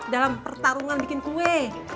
dalam pertarungan bikin kue